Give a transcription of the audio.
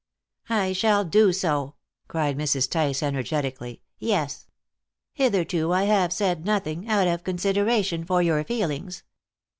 "I shall do so," cried Mrs. Tice energetically "yes. Hitherto I have said nothing, out of consideration for your feelings.